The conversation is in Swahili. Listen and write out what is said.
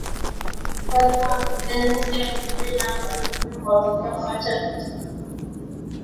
mfalme Eze Nrina mji wa Nri huangaliwa kama chanzo cha utamaduni